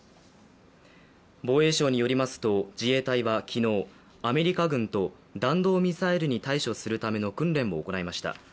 防衛省によりますと、自衛隊は昨日アメリカ軍と弾道ミサイルに対処するための訓練を行いました